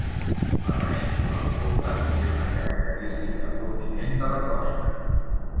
La península Oga és una característica prominent de la costa.